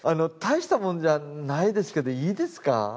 たいしたもんじゃないですけどいいですか？